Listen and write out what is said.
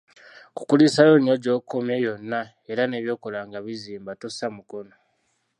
Nkukulisaayo nnyo gy'okomye yonna era ne by'okola nga bizimba, tossa mukono!